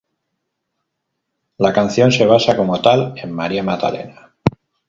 La canción se basa como tal en María Magdalena